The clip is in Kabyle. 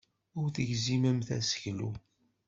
Ur tegzimemt aseklu.